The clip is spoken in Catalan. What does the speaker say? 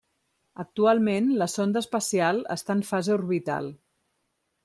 Actualment la sonda espacial està en fase orbital.